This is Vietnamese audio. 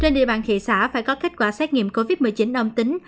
trên địa bàn thị xã phải có kết quả xét nghiệm covid một mươi chín âm tính